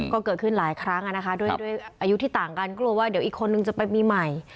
ก็เกิดขึ้นหลายครั้งนะคะด้วยอายุที่ต่างกันก็กลัวว่าเดี๋ยวอีกคนนึงจะไปปีใหม่